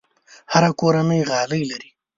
هره کورنۍ غالۍ لري.